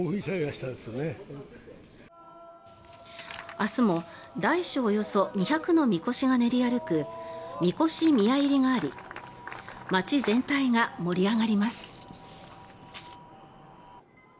明日も大小およそ２００のみこしが練り歩く神輿宮入があり街全体が盛り上がります。